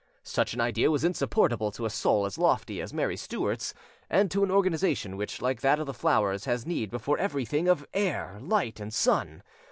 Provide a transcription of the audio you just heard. Such an idea was insupportable to a soul as lofty as Mary Stuart's, and to an organisation which, like that of the flowers, has need, before everything, of air, light, and sun.